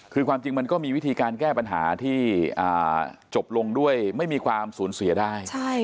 คือความจริงมันก็มีวิธีการแก้ปัญหาที่จบลงด้วยไม่มีความสูญเสียได้